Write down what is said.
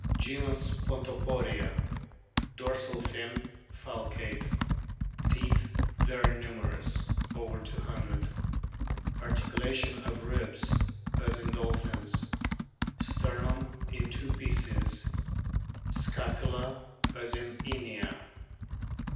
Genus PONTOPORIA. Dorsal fin falcate. Teeth very numerous, over 200. Articulation of ribs as in dolphins. Sternum in two pieces. Scapula as in Inia.